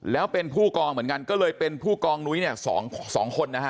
แล้วเป็นผู้กองเหมือนกันก็เลยเป็นผู้กองนุ้ยเนี่ยสองคนนะฮะ